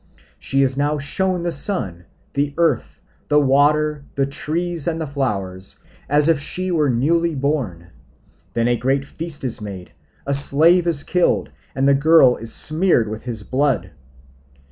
She is now shown the sun, the earth, the water, the trees, and the flowers, as if she were newly born. Then a great feast is made, a slave is killed, and the girl is smeared with his blood.